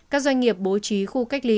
các doanh nghiệp bố trí khu cách ly